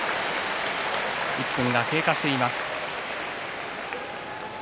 １分が経過しています。